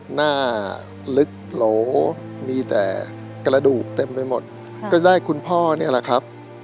หน้าลึกโหลมีแต่กระดูกเต็มไปหมดก็จะได้คุณพ่อนี่แหละครับ